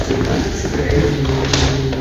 এক দরিদ্র কৃষক পরিবারে জন্ম তার।